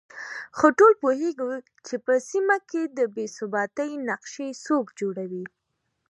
خو ټول پوهېږو چې په سيمه کې د بې ثباتۍ نقشې څوک جوړوي